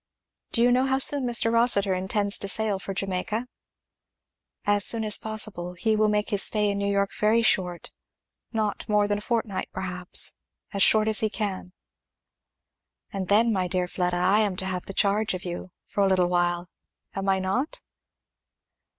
"Do you know how soon Mr. Rossitur intends to sail for Jamaica?" "As soon as possible he will make his stay in New York very short not more than a fortnight perhaps, as short as he can." "And then, my dear Fleda, I am to have the charge of you for a little while am I not?"